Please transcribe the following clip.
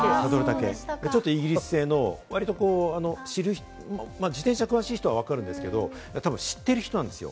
ちょっとイギリス製の、割と自転車に詳しい人は分かるんですけれども、知ってる人なんですよ。